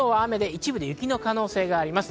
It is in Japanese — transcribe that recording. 一部で雪の可能性があります。